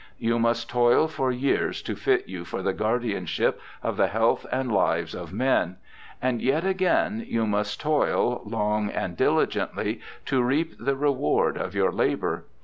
You must toil for years to fit you for the guardianship of the health and lives of men ; and yet again you must toil, long and diligently, to reap the reward of your labour.